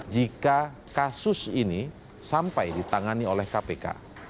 jika kasus ini sampai ditangani oleh kpk